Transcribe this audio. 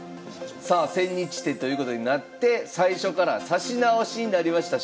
さあ千日手ということになって最初から指し直しになりました。